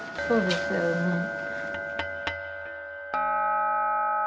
そうですよね。